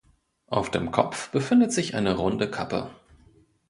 Auf dem Kopf befindet sich eine runde Kappe.